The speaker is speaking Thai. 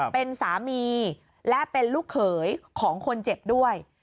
เป็นสามีและเป็นลูกเขยของคนเจ็บด้วย